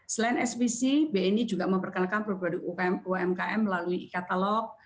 selain sbc bni juga memperkenalkan produk umkm melalui katalog